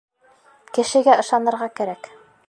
Кешегә ышанырға кәрәк.